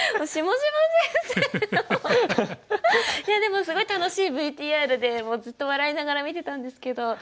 いやでもすごい楽しいＶＴＲでもうずっと笑いながら見てたんですけど。